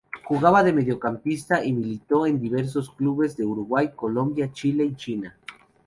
Jugaba de mediocampista y militó en diversos clubes de Uruguay, Colombia, Chile y China.